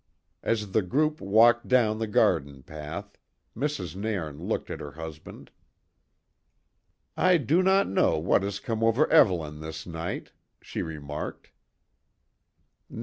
As the group walked down the garden path, Mrs. Nairn looked at her husband. "I do not know what has come over Evelyn this night," she remarked.